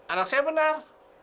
anak saya benar